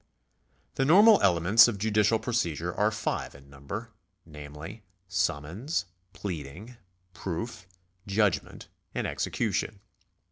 The normal elements of judicial procedure are five in number, namely Summons, Pleading, Proof, Judgment, and Execution.